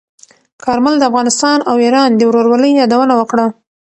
کارمل د افغانستان او ایران د ورورولۍ یادونه وکړه.